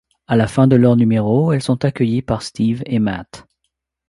À la fin de leur numéro, elles sont accueillies par Steve et Matt.